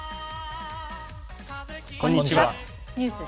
こんにちは。